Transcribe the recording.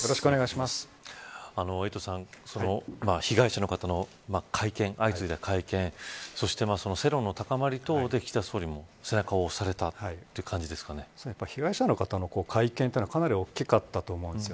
エイトさん、被害者の方の相次いだ会見そして世論の高まり等で岸田総理も背中を押されたという被害者の方の会見というのはかなり大きかったと思うんです。